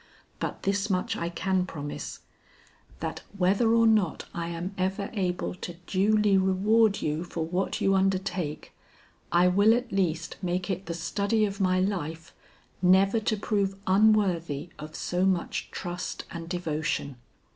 But this much I can promise, that whether or not I am ever able to duly reward you for what you undertake, I will at least make it the study of my life never to prove unworthy of so much trust and devotion."